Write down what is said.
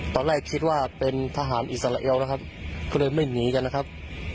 ตอนแรกคิดว่าเป็นทหารอิสราเอลนะครับก็เลยไม่หนีกันนะครับ